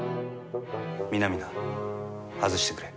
皆々外してくれ。